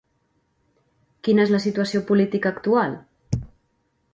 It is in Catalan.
Quina és la situació política actual?